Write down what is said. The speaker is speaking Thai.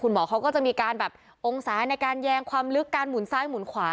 หมอเขาก็จะมีการแบบองศาในการแยงความลึกการหมุนซ้ายหมุนขวา